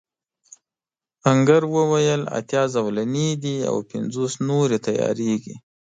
آهنګر وویل اتيا زولنې دي او پنځوس نورې تياریږي.